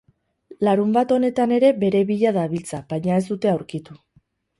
Larunbat honetan ere bere bila dabiltza baina ez dute aurkitu.